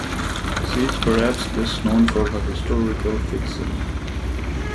She is perhaps best known for her historical fiction.